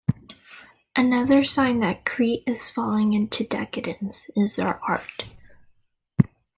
Another sign that Crete is falling into decadence is their art.